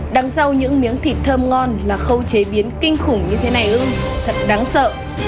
đằng rau những miếng thịt thơm ngon là khâu chế biến kinh khủng như thế này ưng thật đáng sợ